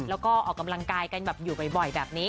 แล้วก็ออกกำลังกายกันแบบอยู่บ่อยแบบนี้